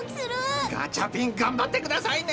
ガチャピン頑張ってくださいね。